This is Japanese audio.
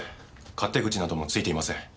勝手口などもついていません。